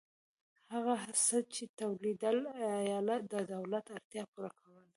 هغه څه چې تولیدېدل ایله د دولت اړتیا پوره کوله